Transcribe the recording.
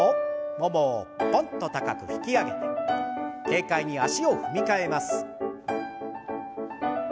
ももをポンと高く引き上げて軽快に足を踏み替えます。